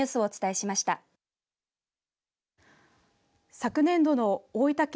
昨年度の大分県